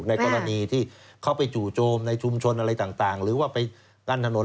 ในกรณีที่เขาไปจู่โจมในชุมชนอะไรต่างหรือว่าไปกั้นถนน